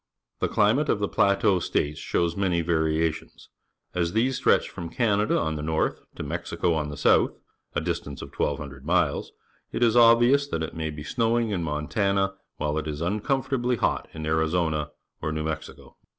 The climate of the P late au State ^ shows many jvariatieias. As these stretch from Can ada on the north to iSIexico on the south, a distance of 1,200 miles, it is obvious that it may be snowing in Montana while it is uncomfortably hot in Arizona or New Mexico.